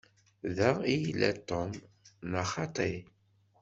Da i yella Tom, neɣ xaṭi?